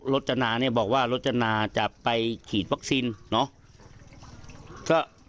จนาเนี่ยบอกว่ารจนาจะไปฉีดวัคซีนเนอะ